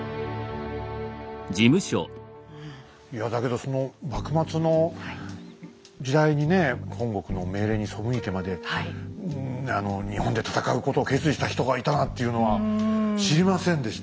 いやだけどその幕末の時代にね本国の命令に背いてまで日本で戦うことを決意した人がいたなんていうのは知りませんでした。